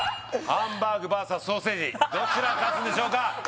ハンバーグバーサスソーセージどちらが勝つんでしょうか？